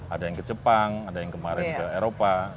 ada yang ke jepang ada yang kemarin ke eropa